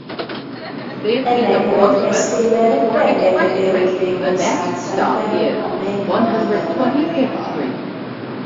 Ennek következtében rengeteg erős démon szállt szembe a Menny Halhatatlanjaival.